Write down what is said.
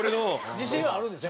自信はあるんですね？